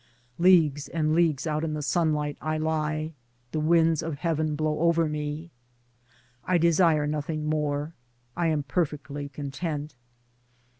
Leagues and leagues out in the sunlight I lie, the winds of heaven blow over me — I desire nothing more, I am perfectly content.